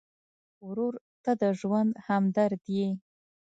ورور ته د ژوند همدرد یې.